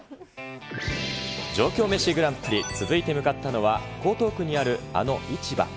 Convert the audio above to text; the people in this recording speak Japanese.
上京メシグランプリ、続いて向かったのは江東区にある、あの市場。